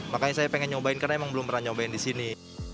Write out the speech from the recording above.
makanya saya pengen nyobain karena emang belum pernah nyobain di sini